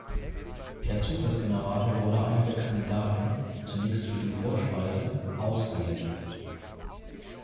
Per Zufallsgenerator wurde einer der Kandidaten, zunächst für die Vorspeise, ausgewählt.